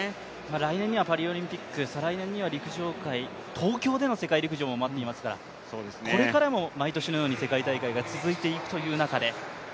来年にはパリオリンピック、再来年には東京大会も待っていますからこれからも毎年のように世界大会が続いていくという中で。